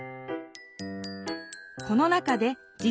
この中で事